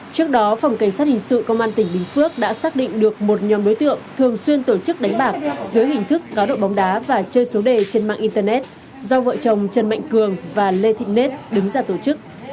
trước đó phòng cảnh sát hình sự công an tỉnh bình phước đã xác định được một nhóm đối tượng thường xuyên tổ chức đánh bạc dưới hình thức cá độ bóng đá và chơi số đề trên mạng internet do vợ chồng trần mạnh cường và lê thị net đứng ra tổ chức